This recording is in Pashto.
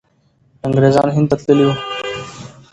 انګریزان هند ته تللي وو.